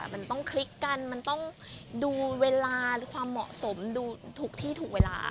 มันต้องคลิกกันมันต้องดูเวลาความเหมาะสมดูถูกที่ถูกเวลา